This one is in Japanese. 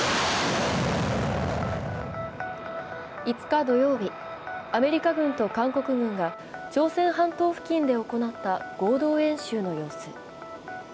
５日土曜日、アメリカ軍と韓国軍が朝鮮半島付近で行った合同演習の様子。